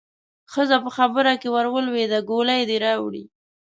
ښځه په خبره کې ورولوېده: ګولۍ دې راوړې؟